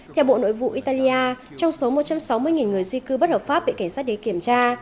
theo bộ nội vụ italia trong số một trăm sáu mươi người di cư bất hợp pháp bị cảnh sát để kiểm tra